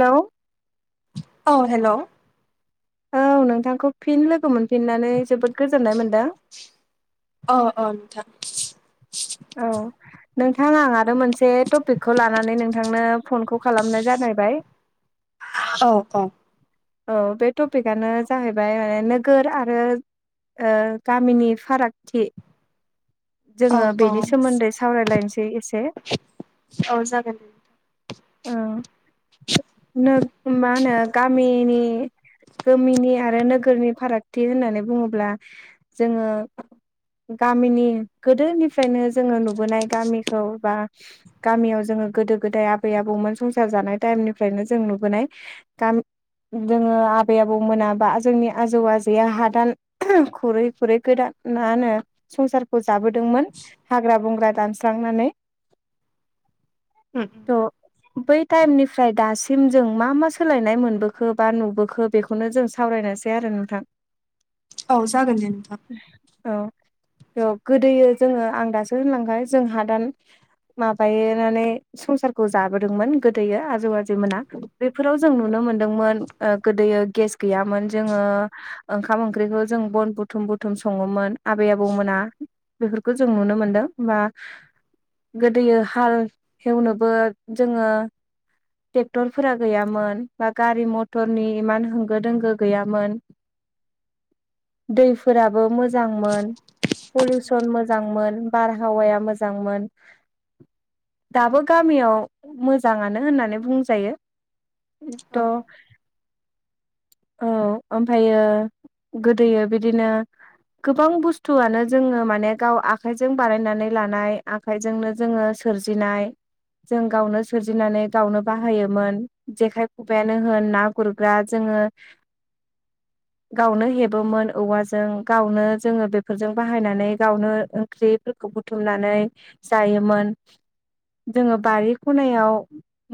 हेल' औ हेल' औ नोंथांखौ फिन लोगो मोनफिननानै जोबोद गोजोननाय मोनदों अ औ नोंथां। औ नोंथां आं आरो मोनसे टपिकखौ लानानै नोंथांनो फनखौ खालामनाय जानायबाय औ औ औ बे टपिकआनो जाहैबाय माने नोगोर आरो ओ गामिनि फारागथि औ जोङो औ बेनि सोमोन्दै सावरायलायनसै एसे औ जागोन दे ओ नोग मा होनो गामि नि गोमिनि आरो नोगोरनि फारागथि होननानै बुङोब्ला जोङो गामिनि गोदोनिफ्रायनो जोङो नुबोनाय गामिखौ बा गामियाव जोङो गोदो गोदाय आबै आबौमोन संसार जानाय टाइमनिफ्रायनो जों नुबोनाय गामि जोङो आबै आबौ मोनाबा जोंनि आजौ आजैआ हादान खुरै खुरै गोदान मा होनो संसार खौ जाबोदोंमोन हाग्रा बंग्रा दानस्रांनानै थ' बै टाइमनिफ्राय दासिम जों मा मा सोलायनाय मोनबो खो बा नुबोखो बेखौनो जों सावरायनोसै आरो नोंथां औ जागोन देे नोंथां औ र' गोदोयो जोङो आं दासो होनलांखाबाय जों हादान माबायोनानै संसारखौ जाबोदोंमोन गोदोयो आजौ आजौमोना बेफोराव जों नुनो मोन दोंमोन ओ गोदोयो गेस गैयामोन जोङो ओखाम ओंख्रिखौ जों बन बुथुम बुथुम सङोमोन आबै आबौमोना बेफोरखौ जों नुनो मोनदों मा गोदोयो हाल एवनोबो जोङो टेक्टरफोरा गैयामोन बा गारि मथरनि इमान होंगो दोंगो गैयामोन दैफोराबो मोजांमोन पलिउसन मोजांमोन बारहावाया मोजांमोन दाबो गामियाव मोजाङानो होननानै बुंजायो औ थ' औ ओमफायो गोदोयो बिदिनो गोबां बुस्थुआनो जोङो माने गाव आखाइजों बानायनानै लानाय आग आखाइजोंनो जोङो सोरजिनाय जों गावनो सोरजिनानै गावनो बाहायोमोन जेखाइ खुबाइयानो होन ना गुरग्रा जोङो गावनो हेबोमोन औवाजों गावनो जोङो बेफोरजों बाहायनानै गावनो ओंख्रिफोरखौ बुथुमनानै जायोमोन जोङो बारि खनायाव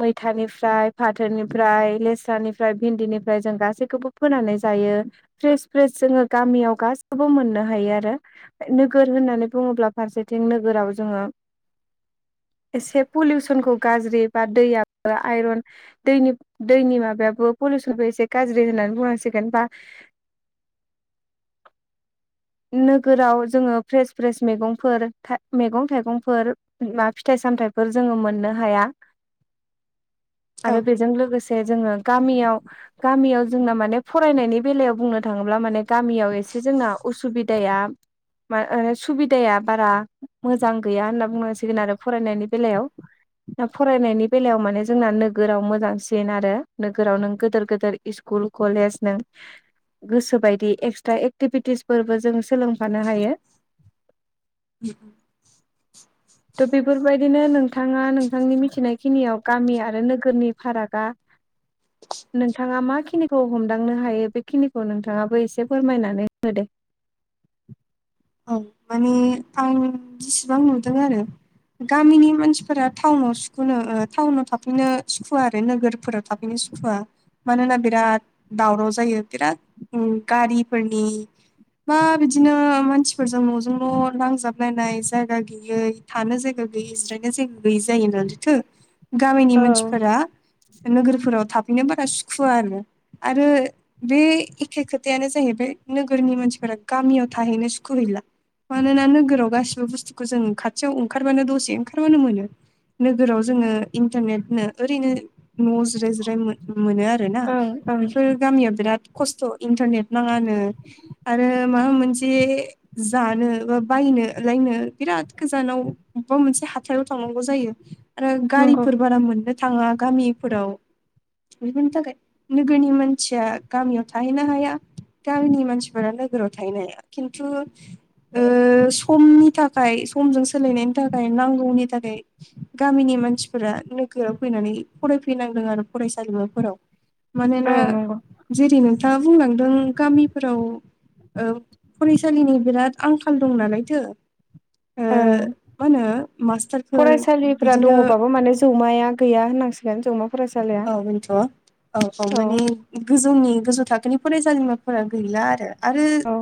मैथानिफ्राय फाथोनि फ्राय लेस्रानिफ्राय भिन्दिनिफ्राय जों गासैखौबो फोनानै जायो फ्रेस फ्रेस जोङो गामियाव गासिबो मोननो हायो आरो नोगोर होननानै बुङोब्ला फारसेथिं नोगोराव जोङो एसे पलिउसनखौ गाज्रि बा दैयाबो आइरन दैनि दैनि माबायाबो पलिउसनबो एसे गाज्रि होननानै बुंनांसिगोन बा [inaudible] नोगोराव जोङो फ्रेस फ्रेस मेगंफोर मेगं थाइगंफोर मा फिथाइ सामथाइफोर जोङो मोननो हाया औ आरो बेजों लोगोसे जोङो गामियाव गामियाव जोंना माने फरायनायनि बेलायाव बुंनो थाङोब्ला माने गामियाव एसे जोंना उसुबिदाया मा ओ सुबिदाया बारा मोजां गैया होनना बुंनांसिगोन आरो फरायनायनि बेलायाव दा फरायनायनि बेलायाव माने जोंना नोगोराव मोजांसिन [unintelligible] आरो नोगोराव नों गोदोर गोदोर इस्कुल कलेज नों गोसो बायदि एक्सट्रा एक्टिभिटिसफोरबो जों सोलोंफानो हायो। उम उम। त' बेफोरबायदिनो नोंथाङा नोंथांनि मिथिनाय खिनियाव गामि आरो नोगोरनि फारागा नोंथाङा मा खिनिखौ हमदांनो हायो बेखिनिखौ नोंथाङाबो एसे फोरमायनानै हो दे। औ माने आं जिसिबां नुदों आरो गामिनि मानसिफोरा टाउनाव सुखुनो ओ टाउनाव थाफैनो सुखुवा आरो नोगोरफोराव था [unintelligible] सुखुवा मानोना बिराद दावराव जायो बिराद उम गारिफोरनि बा बिदिनो मानसि फोरजों न'जों न' नांजाबलायनाय जायगा गैयै थानो जायगा गैयै जिरायनो जायगा गैयै जायो [unintelligible] थो गामिनि औ मानसिफोरा नोगोरफोराव थाफैनो बारा सुखुवा आरो आरो बे एखे खोथायानो जाहैबाय नोगोरनि मानसिफोरा गामियाव थाहैनो [unintelligible] खु हैला। मानोना नोगोराव गासिबो बुस्थुखौ जों खाथियाव ओंखारबानो दसे ओंखारबानो मोनो। नोगोराव जोङो इन्टारनेटनो ओरैनो न' जिराय जि राय मो-मोनो आरो ना। ओं ओं बेफोर गामियाव बिराद खस्थ' इन्टारनेट नाङानो आरो माबा मोनसे जानो बा बायनो लायनो बिराद गोजानाव बबेबा मोनसे हाथायाव थांनांगौ जायो। आरो नंगौ गारिफोर बारा मोननो थाङा गामिफोराव बेफोरनि थाखाय नोगोरनि मानसिया गामियाव थाहैनो हाया। गामिनि मानसिफोरा नोगोराव थाहैनो हाया। खिन्थु ओ समनि थाखाय समजों सोलायनायनि थाखाय नांगौनि थाखाय गामिनि मानसिफोरा नोगोराव फैनानै फरायफैनांदों आरो फरायसालिमाफोराव। औ मानोना नंगौ जेरै नोंथाङा बुंलांदों गामिफोराव ओ फरायसालिनि बिराद आंखाल दं नालायथो ओ ओं मा होनो मास्टारफोर फरायसालिफोरा बिदिनो दङबाबो माने जौमाया गैया होननांसिगोन जौमा फरायसालिया औ होनथ' औ औ माने गोजौनि गोजौ थाखोनि फरायसालिमाफोरा गैला आरो आरो औ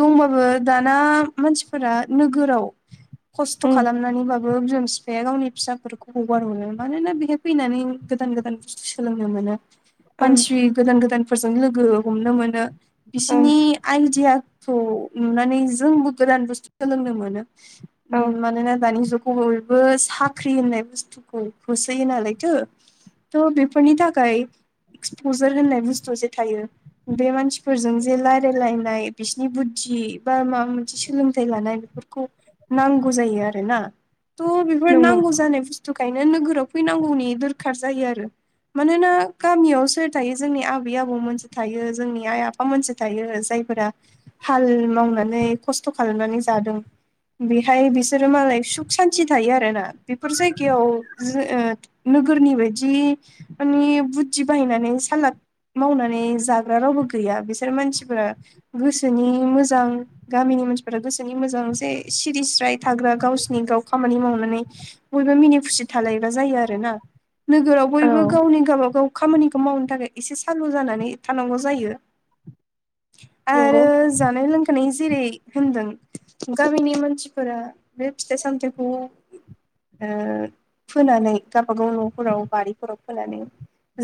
दंबाबो दाना मानसिफोरा नोगोराव खस्थ' उम खालाम नानैबाबो बिमा फिफाया गावनि फिसाफोरखौ हगार हरो। मानोना बेहाय फैनानै गोदान गोदान सोलोंनो मोनो। ओं मानसि गोदान गोदानफोरजों लोगो हमनो मोनो। ओं बिसिनि आइडियाखौ नुनानै जोंबो गोदान बुस्थु सोलोंनो मोनो। औ उम मानोना दानि जुग बयबो साख्रि होननाय बुस्थुखौ होसोयो नालायथो। त' बेफोरनि थाखाय एक्सपजार होननाय बुस्थु जे थायो। बे मानसिफोरजों जे रायलायलायनाय बिसिनि बुद्धि बा माबा मोनसे सोलोंथाइ लानाय बेफोरखौ नांगौ जायो आरो ना। त' बेफोर नंगौ नांगौ जानाय बुस्थुखायनो नोगोराव फैनांगौनि दोरखार जायो आरो मानोना गामियाव सोर थायो जोंनि आबै आबौमोनसो थायो जोंनि आइ आफामोनसो थायो। जायफोरा हाल मावनानै खस्थ' खालामनानै जादों। बेहाय बिसोरो मालाय सुख सान्थि थायो आरो ना। बेफोर जायगायाव [unintelligible] ओ नोगोरनि बायदि माने बुद्धि बाहायनानै सालाद मावनानै जाग्रा रावबो गैया बिसोर मानसिफोरा गोसोनि मोजां। गामिनि मानसिफोरा गोसोनि मोजां जे सिरिस स्राय थाग्रा गावसिनि गाव खामानि मावनानै बयबो मिनि खुसि थालायग्रा आरो ना। नोगोराव औ बयबो गावनि गावबा गाव खामानिखौ मावनो थाखाय एसे सालु जानानै थानांगौ जायो। नंगौ आरो जानाय लोंखानाय जेरै होनदों गामिनि मानसिफोरा बे फिथाइ सामथाइखौ ओ फोनानै गावबागाव न' फोराव बारिफोराव फोनानै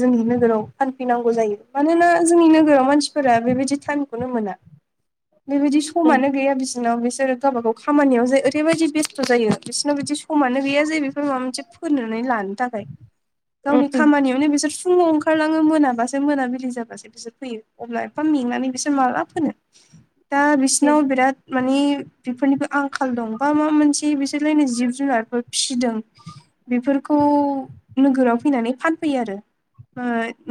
जोंनि नोगोराव फानफैनांगौ जायो मानोना जोंनि नोगोराव मानसिफोरा बेबायदि टाइमखौनो मोना। बेबायदि उम समानो गैया बिसिनाव बिसोरो गावबाागाव खामानियाव जे ओरैबायदि बेस्थ' जायो बिसोरनाव बिदि समानो गैया जायो बेफोर माबा मोनसे फोनानै लानो थाखाय। उम गावनि उम खामानियावनो बिसोर फुङाव ओंखारलाङो मोनाबासो मोनाबिलि जाबासो बिसोर फैयो अब्ला एफा मेंनानै बिसोर माला फोनो दा उम बिसिनाव बिराद मानिे बेफोरनिबो आंखाल दं बा मा मोनसे बिसोरलायनाय जिब जुनारफोर फिसिदों। बेफोरखौ नोगोराव फैनानै फानफैयो आरो। ओ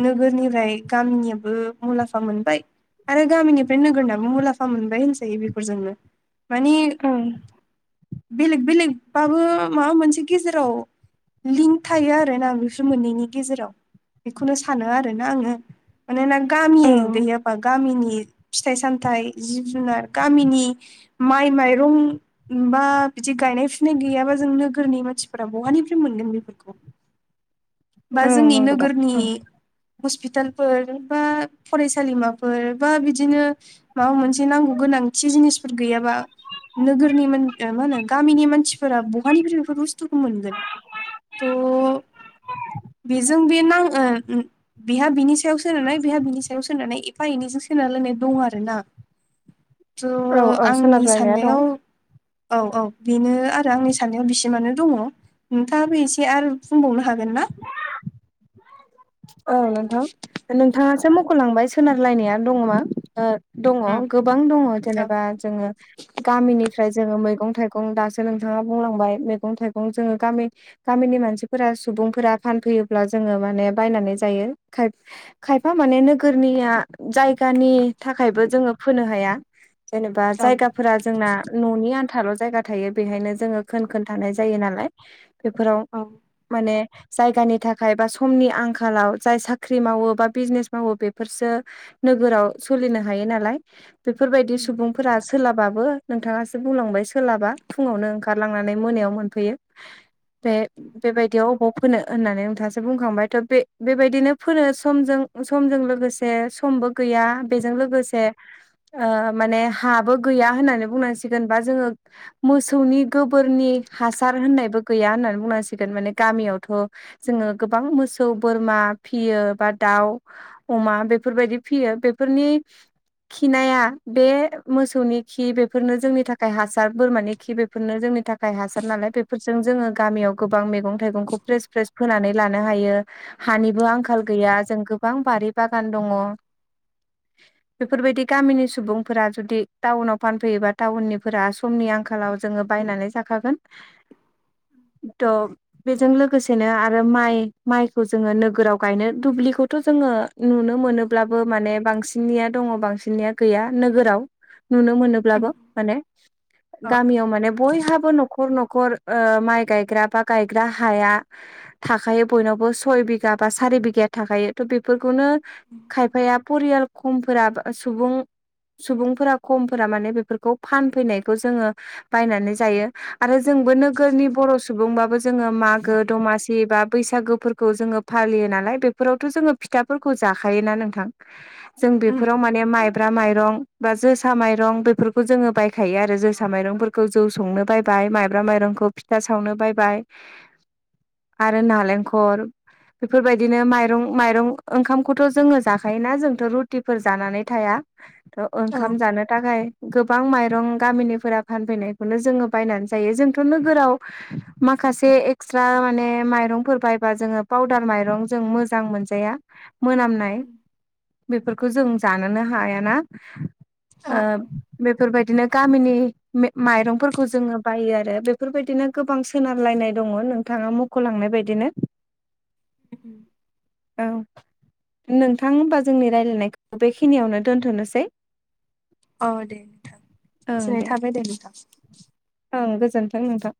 नोगोरनिफ्राय गामिनियाबो मुलाम्फा मोनबाय। आरो गामिनिफ्राय नोगोरनाबो मुलामफा मोनबाय होनजायो बेफोर जोंनो। मानि ओं बेलेग बेलेग बाबो माबा मोनसे गेजेराव लिंक थायो आरो ओमखायनो आं बेसोर मोननैनि गेजेराव बेखौनो सानो आरोना आङो। मानोना गामि औ दैयाबा गामिनि फिथाइ सामथाइ जिब जुनार गामिनि माइ माइरं होनबा बिदि गायनाय फुनाय गैयाबा जों नोगोरनि मानसिफोरा बहानिफ्राय मोनगोन बेफोरखौ। बा ओं जोंनि नंगौ दा नोगोरनि ओं हस्पिटालफोर बा फरायसालिमाफोर बा बिदिनो माबा मोनसे नांगौ गोनांथि जिनिसफोर गैयाबा नोगोरनि मा होनो गामिनि मानसिफोरा बहानिफ्राय बेफोर बुस्थुखौ मोनगोन। थ' बेजों बे नांग ओ ओम बेहा बिनि सायाव सोनानै बेहा बिनि सायाव सोनानै एफा एनैजों सोनार लायनाय दं आरो ना। [inaudible] औ थ' औ आंनि सोनारलायनाया दं साननायाव औ औ बेनो आरो आंनि साननायाव बिसिमानो दङ नोंथाङाबो एसे आरो बुंबावनो हा हागोन ना? औ नोंथां नोंथाङासो मख'लांबाय सोनारलायनाया दङ मा ओ दङ उम गोबां दङ औ जेनेबा जोङो गामिनिफ्राय जोङो मैगं थाइगं दासो नोंथाङा बुंलांबाय मैगं थाइगं जोङो गामि गामिनि मानसिफोरा सुबुंफोरा फानफैयोब्ला जोङो माने बायनानै जायो खाय खायफा माने नोगोरनिया जायगानि थाखायबो जोङो फोनो हाया। जेनबा औ जा फोर जोंना न'नि आन्थाल' जायगा थायो बेहायनो जोङो खोन खोन थानाय जायो नालाय। बेफोराव औ माने जायगानि थाखाय बा समनि आंखालाव जाय साख्रि मावो बा बिजनेस मावो बेफोरसो नोगोराव सोलिनो हायो नालाय। बेफोरबायदि उम सुबुं फोर सोलाबाबो नोंथाङासो बुंलांबाय सोलाबा फुङावनो ओंखारलांनानै मोनायाव मोनफैयो। बे बेबायदियाव अबाव फोनो होननानै नोंथाङासो बुंखांबाय थ' बे बेबायदिनो फोनो समजों समजों लोगोसे समबो गैया बेजों लोगोसे ओ माने हाबो गैया होननानै बुंनांसिगोन बा जोङो मोसौनि गोबोरनि हासार होननायबो गैया होननानै बुंनांसिगोन माने गामियावथ' जोङो गोबां मोसौ बोरमा फिसियो बा दाउ अमा बेफोरबायदि फिसियो बेफोरनि खिनाया बे मोसौनि खि बेफोरनो जोंनि थाखाय हासार बोरमानि खि बे फोरनो जोंनि थाखाय हासार नालाय बेफोरजों जोङो गामियाव गोबां मैगं थाइगंखौ फ्रेस फ्रेस फोनानै लानो हायो। हानिबो आंखाल गैया जों गोबां बारि बागान दङ। बेफोरबायदि गामिनि सुबुंफोरा जुदि टाउनाव फानफैयोबा टाउननिफोरा समनि आंखालाव जोङो बायनानै जाखागोन थ' बेजों लोगोसेनो आरो माइ माइखौ जोङो नोगोराव गायनो दुब्लिखौथ' जोङो नुनो मोनोब्लाबो माने बांसिननिया दङ बांसिन सिया गैया नोगोराव नुनो मोनो अब्लाबो माने औ गामियाव माने बयहाबो न'खर न'खर न'खर ओ माइ गायग्रा बा गायग्रा हाया थाखायो बयनावबो सय बिघा बा सारि बिघाया थाखायो थ' बेफोरखौनो खायफाया परियाल खमफोरा ओ सुबुं सुबुंफोरा खमफोरा माने बेफोरखौ फानफैनायखौ जोङो बायनानै जायो आरो जोंबो नोगोरनि बर' सुबुंबाबो जोङो मागो दमासि बा बैसागोफोरखौ जोङो फालियो नालाय बेफोरावथ' जोङो फिथाफोरखौ जाखायोना नोंथां जों उम बेफोराव माने माइब्रा मायब्रा माइरं बा जोसा मायरं बेफोरखौ जोङो बायखायो आरो जोसा माइंफोरखौ जौ संनो बायो बाय माइब्रा माइरंखौ फिथा सावनो बायबाय आरो नालेंखर बेफोरबायदिनो माइरं माइरं ओंखामखौथ' जोङो जाखायोना जोंथ' रुटिफोर जानानै थाया थ' ओंखाम जानो थाखाय गोबां माइरं गामिनिफोरा फानफैनायखौनो जोङो बायनानै जायो जोंथ' नोगोराव माखासे एक्सट्रा माने माय रंफोर बायबा जोङो फाउदार मायरं जों मोजां मोनजाया मोनामनाय बेफोरखौ जों जानोनो हायाना औ औ ओ बेफोरबायदिनो गामिनि मे माइरंफोरखौ जोङो बायो आरो बेफोरबायदिनो गोबां सोनारलायनाय दङ नोंथाङा मख'लांनाय बायदिनो [unintelligible] औ नोंथां होनबा जोंनि रायलायनायखौ बेखिनियावनो दोन्थ'नोसै औ दे नोंथां ओं दे गोजोननाय थाबाय ओं गोजोन्थों नों